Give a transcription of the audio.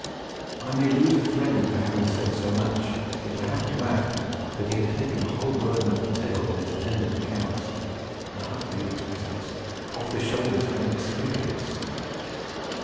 I may lose a friend for having said so much, yet I have to add that he had taken the whole burden of the till and its attendant accounts (a hut leader's business) off the shoulders of inexperience.